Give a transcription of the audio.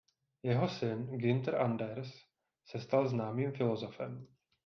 Jeho syn Günther Anders se stal známým filozofem.